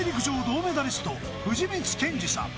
銅メダリスト藤光謙司さん